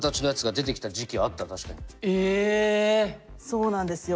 そうなんですよ